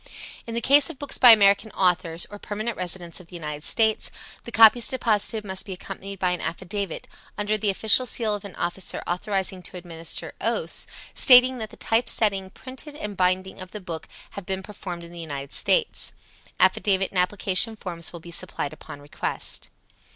In the case of books by American authors, or permanent residents of the United States, the copies deposited must be accompanied by an affidavit, under the official seal of an officer authorized to administer oaths, stating that the typesetting, printing and binding of the book have been performed within the United States. Affidavit and application forms will be supplied on request.